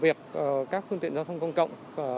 việc các phương tiện giao thông công cộng